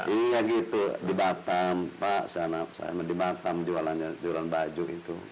iya gitu di batam pak saya di batam jualan baju itu